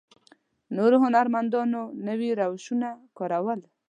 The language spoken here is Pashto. نورو هنرمندانو نوي روشونه کارول.